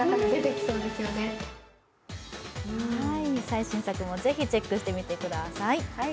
最新作もぜひチェックしてみてください。